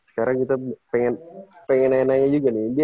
sekarang kita pengen nanya nanya juga nih